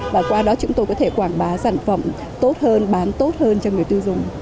và qua đó chúng tôi có thể quảng bá sản phẩm tốt hơn bán tốt hơn cho người tiêu dùng